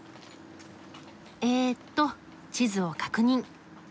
えっと地図を確認。